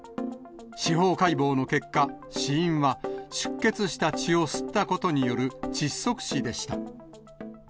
司法解剖の結果、死因は出血した血を吸ったことによる窒息死でした。